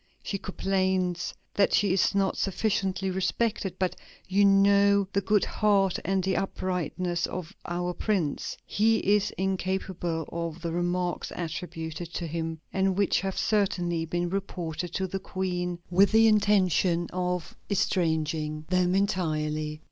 She complains that she is not sufficiently respected. But you know the good heart and the uprightness of our Prince; he is incapable of the remarks attributed to him, and which have certainly been reported to the Queen with the intention of estranging them entirely."